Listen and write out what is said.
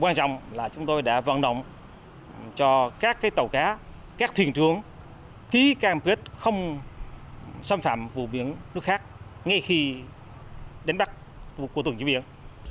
quan trọng là chúng tôi đã vận động cho các tàu cá các thuyền trưởng ký cam kết không xâm phạm vụ biến nước khác ngay khi đến bắt vụ tổ chức biến